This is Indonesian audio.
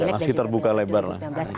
masih terbuka lebar lah